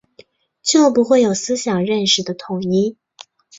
就不会有思想认识的统一